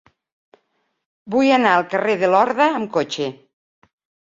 Vull anar al carrer de Lorda amb cotxe.